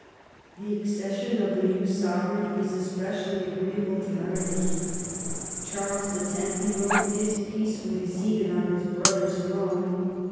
The accession of the new sovereign was specially agreeable to Metternich. " Charles X.," he v.rote, " is peacefully seated on his brother's throne.